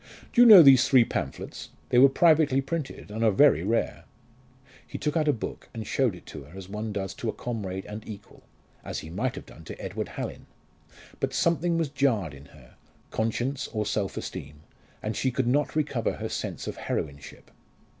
"Do you know these three pamphlets? They were privately printed, and are very rare." He took out a book and showed it to her as one does to a comrade and equal as he might have done to Edward Hallin. But something was jarred in her conscience or self esteem and she could not recover her sense of heroineship.